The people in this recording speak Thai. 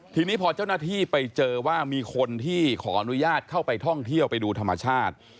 ทีนี้พอเจ้าหน้าที่ไปเจอว่ามีคนที่ขออนุญาตเข้าไปท่องเที่ยวไปดูธรรมชาติ